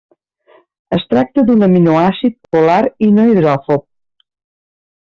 Es tracta d'un aminoàcid polar i no hidròfob.